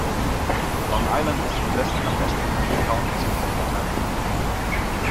Long Island ist von Westen nach Osten in vier Countys aufgeteilt.